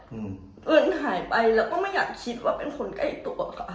เอิญหายไปแล้วก็ไม่อยากคิดว่าเป็นคนใกล้ตัวค่ะ